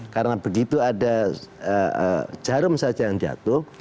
karena begitu ada jarum saja yang jatuh